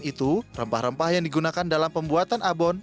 selain itu rempah rempah yang digunakan dalam pembuatan abon